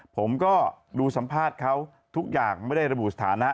ผมก็ดูสัมภาษณ์เขาทุกอย่างไม่ได้ระบุสถานะ